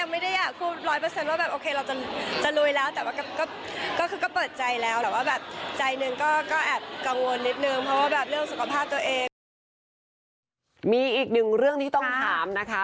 มีอีกหนึ่งเรื่องที่ต้องถามนะคะ